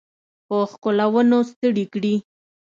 په ښکلونو ستړي کړي